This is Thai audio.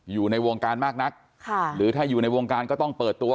อยู่ในวงการมากนักค่ะหรือถ้าอยู่ในวงการก็ต้องเปิดตัว